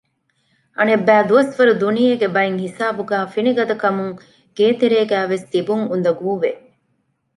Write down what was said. އަނެއްބައި ދުވަސްވަރު ދުނިޔޭގެ ބައެއްހިސާބުގައި ފިނިގަދަކަމުން ގޭތެރޭގައިވެސް ތިބުން އުނދަގޫވެ